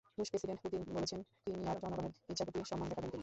রুশ president Putin বলেছেন, ক্রিমিয়ার জনগণের ইচ্ছার প্রতি সম্মান দেখাবেন তিনি।